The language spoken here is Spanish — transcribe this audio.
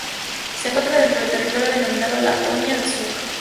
Se encuentra dentro del territorio denominado Laponia del Sur.